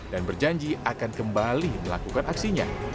dan berjanji akan kembali melakukan aksinya